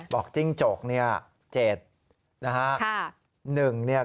บอกจิ้งจก๗นะฮะ